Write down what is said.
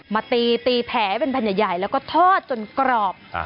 มาตีตีแผลให้เป็นแผ่นใหญ่แล้วก็ทอดจนกรอบ